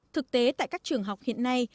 thực tế tại các trường học hiện nay